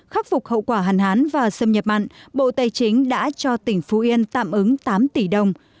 khắc phục hậu quả hàn hán và xâm nhập mặn bộ tài chính đã cho tỉnh phú yên tạm ứng tám tỷ đồng